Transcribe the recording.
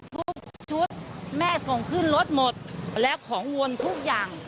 ทุกชุดแม่ส่งขึ้นรถหมดแล้วของวนทุกอย่าง